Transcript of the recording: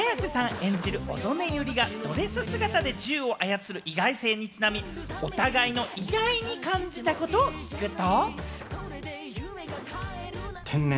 演じる小曾根百合がドレス姿で銃を操る意外性にちなみ、お互いの意外に感じたことを聞くと。